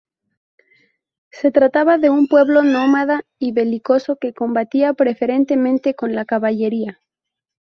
Se trataba de un pueblo nómada y belicoso, que combatía preferentemente con la caballería.